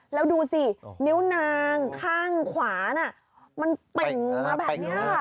แล้วดูสินิ้วนางข้างขวาน่ะมันเป่งมาแบบนี้